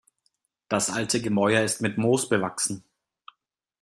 Das alte Gemäuer ist mit Moos bewachsen.